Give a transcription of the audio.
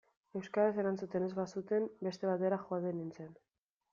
Euskaraz erantzuten ez bazuten, beste batera joaten nintzen.